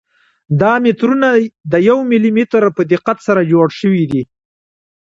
دا مترونه د یو ملي متر په دقت سره جوړ شوي دي.